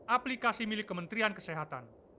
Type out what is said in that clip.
aplikasi milik kementerian kesehatan